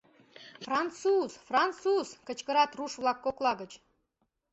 Француз, француз! — кычкырат руш-влак кокла гыч.